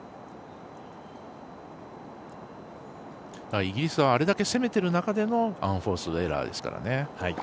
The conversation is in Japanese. イギリスはあれだけ攻めてる中でのアンフォーストエラーですからね。